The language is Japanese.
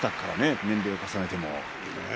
年齢を重ねても。